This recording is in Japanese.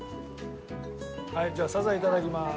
じゃあサザエいただきます。